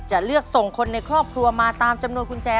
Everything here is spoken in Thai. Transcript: จะเลือกส่งคนในครอบครัวมาตามจำนวนกุญแจ